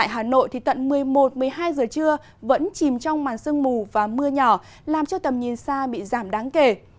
hà nội tận một mươi một một mươi hai giờ trưa vẫn chìm trong màn sương mù và mưa nhỏ làm cho tầm nhìn xa bị giảm đáng kể